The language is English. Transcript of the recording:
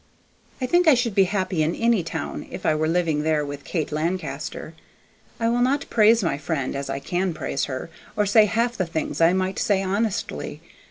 I think I should be happy in any town if I were living there with Kate Lancaster. I will not praise my friend as I can praise her, or say half the things I might say honestly.